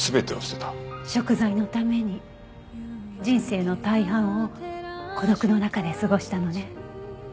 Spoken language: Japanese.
贖罪のために人生の大半を孤独の中で過ごしたのね。